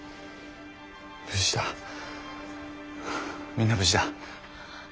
みんな無事だ！